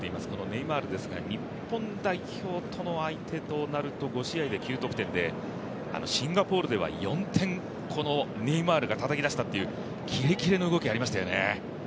ネイマールですが、日本代表との相手となると、５試合で９得点でシンガポールでは４点、このネイマールがたたき出したというキレッキレの動きありましたよね。